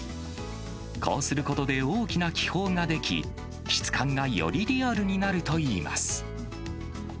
こうすることで、大きな気泡が出来、質感がよりリアルになるといいます。